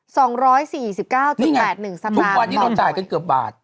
๒๔๙๘๑สตางค์นี่ไงทุกวันนี้เราจ่ายกันเกือบบาท